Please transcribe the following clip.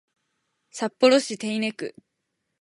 札幌市手稲区